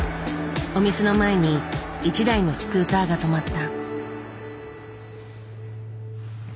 お店の前に一台のスクーターが止まった。